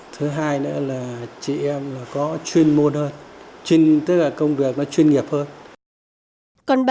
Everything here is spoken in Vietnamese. thứ hai nữa là chị em có chuyên môn hơn tức là công việc chuyên nghiệp hơn